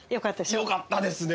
よかったですね